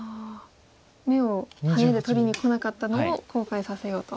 眼をハネで取りにこなかったのを後悔させようと。